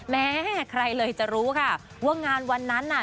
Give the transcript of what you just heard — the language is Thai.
แม่ใครเลยจะรู้ค่ะว่างานวันนั้นน่ะ